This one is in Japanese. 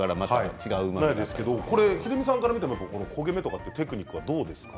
秀美さんから見ても焦げ目とかというテクニックはどうですか。